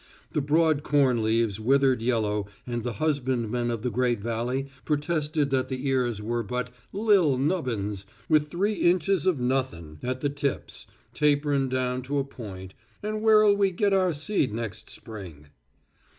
The broad corn leaves withered yellow and the husbandmen of the great valley protested that the ears were but "lil' nubbins with three inches of nuthin' at the tips, taperin' down to a point, and where'll we get our seed next spring?"